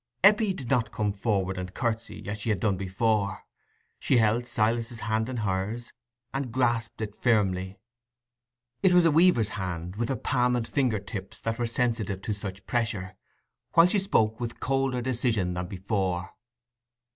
Eppie did not come forward and curtsy, as she had done before. She held Silas's hand in hers, and grasped it firmly—it was a weaver's hand, with a palm and finger tips that were sensitive to such pressure—while she spoke with colder decision than before.